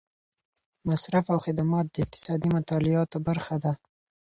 مصرف او خدمات د اقتصادي مطالعاتو برخه ده.